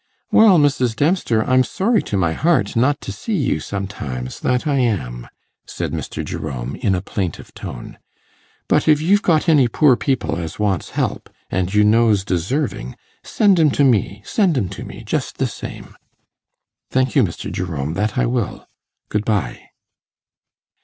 'Well, Mrs. Dempster, I'm sorry to my heart not to see you sometimes, that I am,' said Mr. Jerome, in a plaintive tone. 'But if you've got any poor people as wants help, and you know's deservin', send 'em to me, send 'em to me, just the same.' 'Thank you, Mr. Jerome, that I will. Good bye.